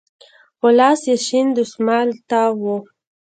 په لاس يې شين دسمال تاو و.